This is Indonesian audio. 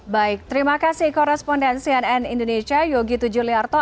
baik terima kasih korespondensi ann indonesia yogi tujuliarto